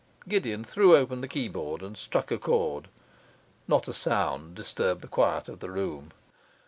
Gideon threw open the keyboard and struck a chord. Not a sound disturbed the quiet of the room.